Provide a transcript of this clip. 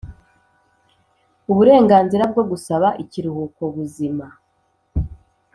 Uburenganzira bwo gusaba ikiruhuko buzima